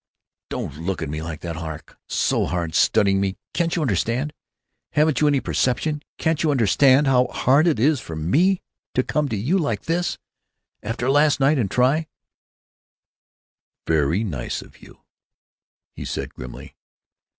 "Don't look at me like that, Hawk. So hard. Studying me.... Can't you understand—— Haven't you any perception? Can't you understand how hard it is for me to come to you like this, after last night, and try——" "Very nice of you," he said, grimly.